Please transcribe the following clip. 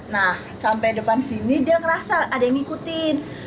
nah sampai depan sini dia ngerasa ada yang ngikutin